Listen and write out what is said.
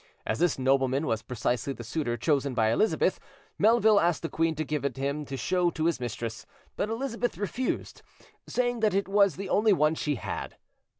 As this nobleman was precisely the suitor chosen by Elizabeth, Melville asked the queen to give it him to show to his mistress; but Elizabeth refused, saying that it was the only one she had.